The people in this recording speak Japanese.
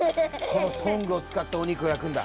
このトングをつかっておにくをやくんだ。